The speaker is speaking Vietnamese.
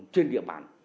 trên địa bàn